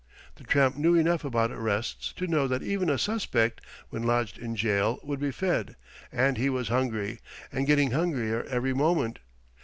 The tramp knew enough about arrests to know that even a suspect, when lodged in jail, would be fed, and he was hungry and getting hungrier every moment.